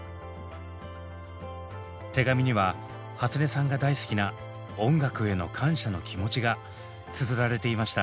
手紙にははつねさんが大好きな「音楽」への感謝の気持ちがつづられていました。